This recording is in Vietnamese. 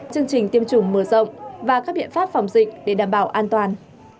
chương trình tiêm chủng mở rộng và các biện pháp phòng dịch để đảm bảo an toàn